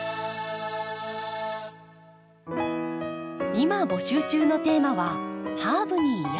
今募集中のテーマは「ハーブに癒やされて」。